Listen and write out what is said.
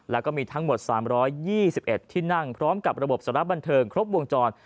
แล้วก็มีทั้งหมด๓๒๑ที่นั่งพร้อมกับระบบสารบันเทิงครบวงจร